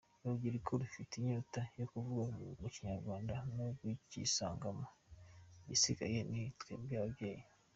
Urubyiruko rufite inyota yo kuvuga mu Kinyarwanda no kucyisangamo, igisigaye ni twebwe ababyeyi.